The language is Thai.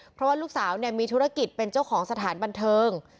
เพราะว่าลูกสาวมีธุรกิจเป็นเจ้าของสถานบันเทิง